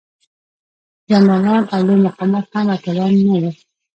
جنرالان او لوی مقامات هم اتلان نه وو.